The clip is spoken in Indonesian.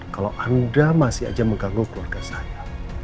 kalau anda masih aja mengganggu keluarga saya